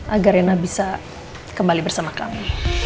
agar rena bisa kembali bersama kami